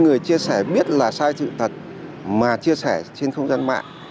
người chia sẻ biết là sai sự thật mà chia sẻ trên không gian mạng